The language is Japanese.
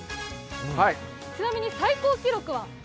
ちなみに最高記録は？